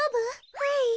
はい。